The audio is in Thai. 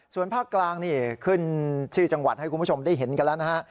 ส่วนภาคกลางนี่ขึ้นชื่อจังหวัดให้คุณผู้ชมได้เห็นกันแล้วนะฮะ